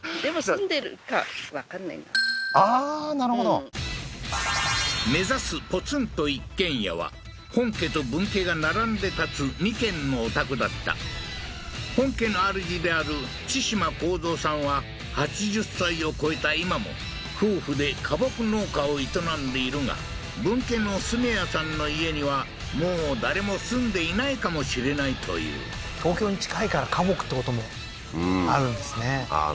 はいああーなるほど目指すポツンと一軒家は本家と分家が並んで建つ二軒のお宅だった本家のあるじであるチシマコウゾウさんは８０歳を超えた今も夫婦で花木農家を営んでいるが分家のスネヤさんの家にはもう誰も住んでいないかもしれないという東京に近いから花木ってこともあるんですねああ